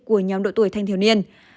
của nhóm độ tuổi thanh thiếu niên